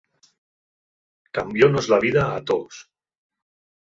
Cambiónos la vida a toos.